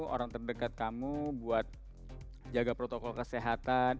orang terdekat kamu buat jaga protokol kesehatan